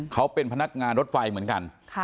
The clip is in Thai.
เขาเป็นพนักงานรถไฟเหมือนกัน